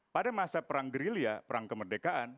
pada masa perang gerilya perang kemerdekaan